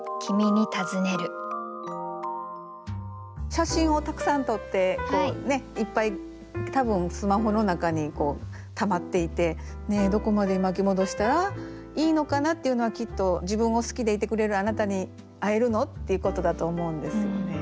写真をたくさん撮ってこうねいっぱい多分スマホの中にたまっていてどこまで巻き戻したらいいのかなっていうのはきっと自分を好きでいてくれるあなたに会えるの？っていうことだと思うんですよね。